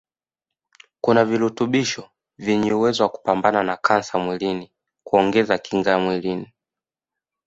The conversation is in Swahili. kuna virutubisho vyenye uwezo wa kupambana na kansa mwilini kuongeza kinga mwilini